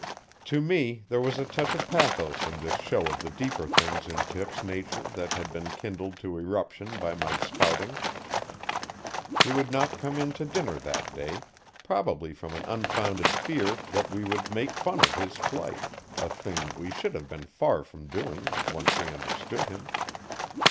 To me there was a touch of pathos in this show of the deeper things in Tip's nature that had been kindled to eruption by my spouting. He would not come in to dinner that day, probably from an unfounded fear that we would make fun of his flight a thing we should have been far from doing once we understood him.